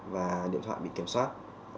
và điện thoại bị kiểm soát